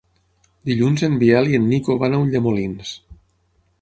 Dilluns en Biel i en Nico van a Ulldemolins.